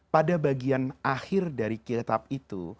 yang akhir dari kitab itu